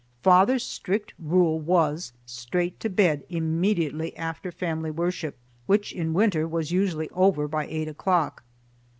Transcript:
Father's strict rule was, straight to bed immediately after family worship, which in winter was usually over by eight o'clock.